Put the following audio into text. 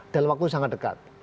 dalam waktu sangat dekat